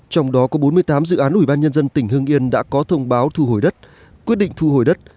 trong đó có bốn mươi tám dự án ủy ban nhân dân tỉnh hương yên đã có thông báo thu hồi đất quyết định thu hồi đất